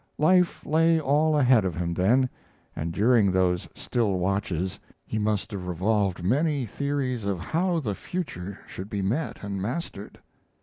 Life lay all ahead of him then, and during those still watches he must have revolved many theories of how the future should be met and mastered.